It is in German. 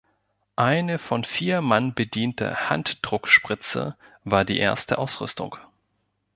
Eine von vier Mann bediente Handdruckspritze war die erste Ausrüstung.